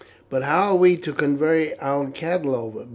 "But how are we to convey our cattle over?"